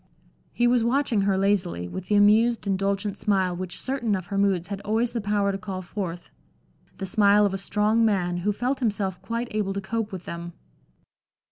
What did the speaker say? He was watching her lazily, with the amused, indulgent smile which certain of her moods had always the power to call forth; the smile of a strong man, who felt himself quite able to cope with them.